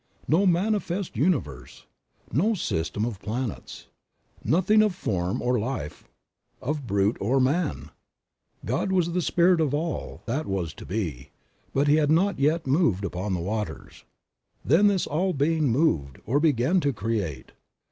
No manifest universe! No system of planets! Nothing of form or life, of brute or man ! God was the Spirit of All that was to be, but He had not yet moved upon the waters. Then this All Being moved, or began to create.